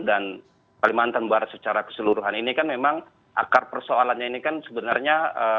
dan kalimantan barat secara keseluruhan ini kan memang akar persoalannya ini kan sebenarnya